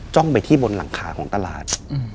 จ้องไปที่บนหลังขาของตลาด